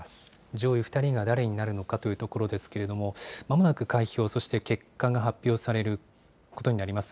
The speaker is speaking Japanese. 上位２人が誰になるのかということですけれども、まもなく開票、そして結果が発表されることになります。